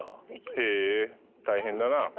へえ大変だな。